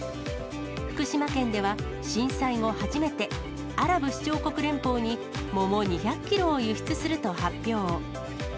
福島県では震災後初めて、アラブ首長国連邦に桃２００キロを輸出すると発表。